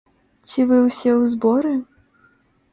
Ці вы ўсе у зборы?